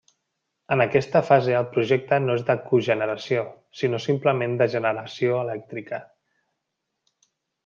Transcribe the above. En aquesta fase, el Projecte no és de cogeneració, sinó simplement de generació elèctrica.